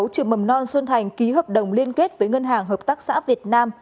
trường mầm non xuân thành ký hợp đồng liên kết với ngân hàng hợp tác xã việt nam